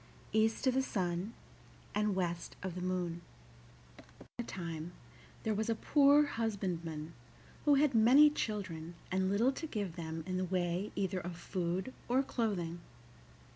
EAST OF THE SUN AND WEST OF THE MOON Once upon a time there was a poor husbandman who had many children and little to give them in the way either of food or clothing.